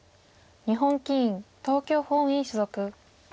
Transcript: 日本棋院東京本院所属。